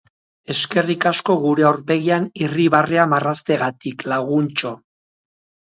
Eskerrik asko gure aurpegian irribarrea marrazteagatik, laguntxo.